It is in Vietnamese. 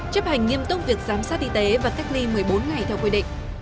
chấp hành nghiêm túc việc giám sát y tế và cách ly một mươi bốn ngày theo quy định